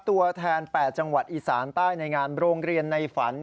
ตัวแทน๘จังหวัดอีสานใต้ในงานโรงเรียนในฝัน